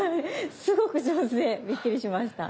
すごく上手でびっくりしました。